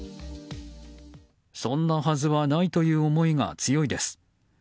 そんなはずはないという思いが強いです。